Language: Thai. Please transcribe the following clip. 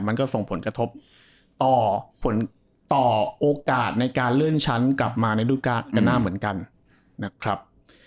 มันก็ส่งผลกระทบต่อผลต่อโอกาสในการเลื่อนชั้นกลับมาในรูปกันหน้าเหมือนกันนะครับ